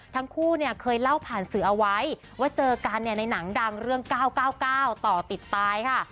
ทั้งคู่เนี่ยเคยเล่าผ่านสื่อเอาไว้ว่าเจอกันเนี่ยในหนังดังเรื่อง๙๙๙ต่อติดตายค่ะ